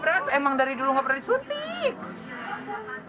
beratus beratus emang dari dulu nggak pernah disuntik